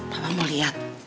papa mau liat